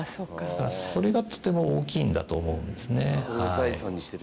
それが、とても大きいんだと思うんですね。